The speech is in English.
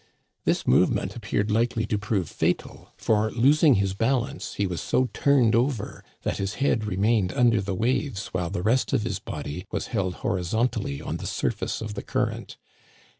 This movement appeared likely to Digitized by VjOOQIC THE BREAKING UP OF THE ICE, 71 prove fatal, for, losing his balance, he was so turned over that his head remained under the waves while the rest of his body was held horizontally on the surface of the current.